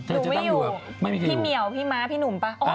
อยู่ไม่อยู่พี่เหมียวพี่ม้าพี่หนุ่มป่ะ